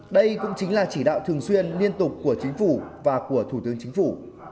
đây cũng chính là chỉ đạo thường xuyên liên tục của chính phủ và của thủ tướng chính phủ